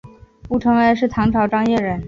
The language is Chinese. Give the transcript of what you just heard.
乌承恩是唐朝张掖人。